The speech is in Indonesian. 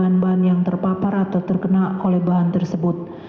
bahan bahan yang terpapar atau terkena oleh bahan tersebut